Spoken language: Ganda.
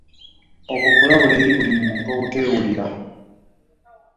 Okwo kulabula eri buli muntu obutewulira .